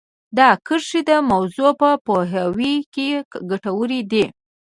دا کرښې د موضوع په پوهاوي کې ګټورې دي